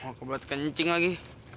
mau kebet kencing lagi